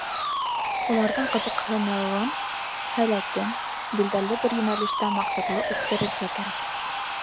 Уларҙың ҡыҙыҡһыныуын, һәләтен билдәле бер йүнәлештә, маҡсатлы үҫтерергә кәрәк.